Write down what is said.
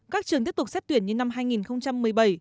các trường tiếp tục xét tuyển như năm hai nghìn một mươi bảy